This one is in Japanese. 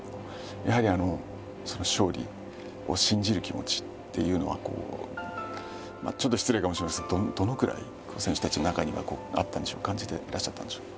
やはり勝利を信じる気持ちっていうのはちょっと失礼かもしれませんけどどのくらい選手たちの中にはあったんでしょう感じていらっしゃったんでしょう？